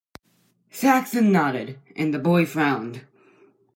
Saxon nodded, and the boy frowned.